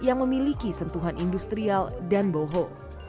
yang memiliki sentuhan industrial dan boho